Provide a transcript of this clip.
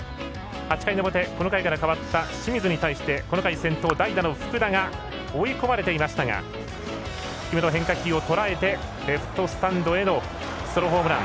８回の表この回から代わった清水に対してこの回先頭の福田が追い込まれていましたが低めの変化球をとらえてレフトスタンドへのソロホームラン。